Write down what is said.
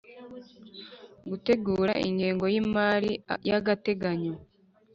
Gutegura ingengo y imari y agateganyo